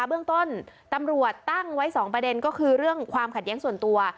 เบื้องต้นตำรวจตั้งไว้๒ประเด็นก็คือเรื่องความขัดแย้งส่วนตัว